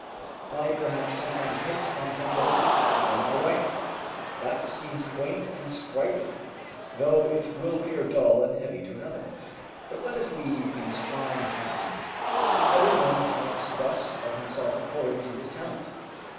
I perhaps sometimes hit upon something when I write, that seems quaint and sprightly to me, though it will appear dull and heavy to another. But let us leave these fine compliments; every one talks thus of himself according to his talent.